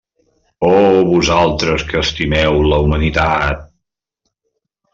Oh vosaltres que estimeu la humanitat!